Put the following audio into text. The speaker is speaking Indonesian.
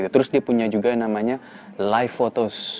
terus dia punya juga yang namanya live photos